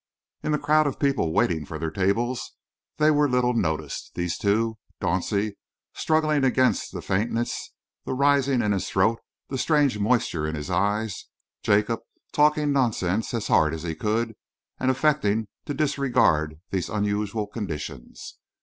In the crowd of people waiting for their tables, they were little noticed, these two Dauncey struggling against the faintness, the rising in his throat, the strange moisture in his eyes, Jacob talking nonsense as hard as he could and affecting to disregard these unusual conditions.